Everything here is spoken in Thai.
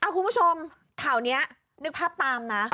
คุณผู้ชมข่าวนี้นึกภาพตามนะ